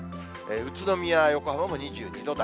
宇都宮、横浜も２２度台。